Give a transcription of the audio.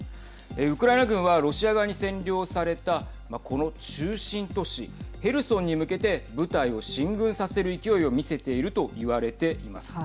ウクライナ軍はロシア側に占領されたこの中心都市ヘルソンに向けて部隊を進軍させる勢いを見せているといわれています。